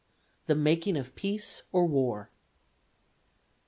The making of peace or war; "(3.)